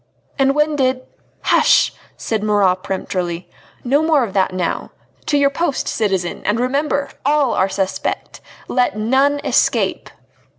"And when did " "Hush!" said Marat peremptorily, "no more of that now. To your post, citizen, and remember all are suspect! let none escape!"